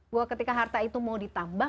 bahwa ketika harta itu mau ditambah